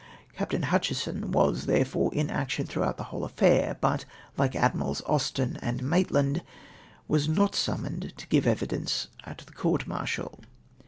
Captain Hutchinson was, tlierefore, in action throughout the whole affiiir, but, like Admii'als Austen and Mait land, icas not sumnioned to give evidence on tlie court martial.